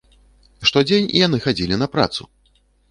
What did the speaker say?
Штодзень яны хадзілі на працу!